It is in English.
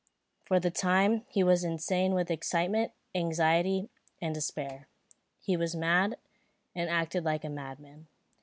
For the time, he was insane with excitement, anxiety, and despair. He was mad, and acted like a madman.